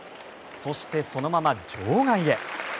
そしてそのまま場外へ。